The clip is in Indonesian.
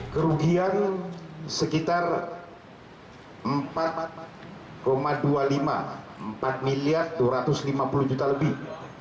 kerugian sekitar empat dua puluh lima empat miliar dua ratus lima puluh juta lebih